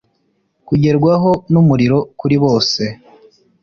kugerwaho numuriro kuri bose